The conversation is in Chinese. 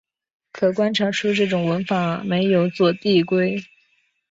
可观察出这种文法没有左递归。